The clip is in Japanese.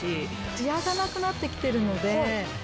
ツヤがなくなってきてるので。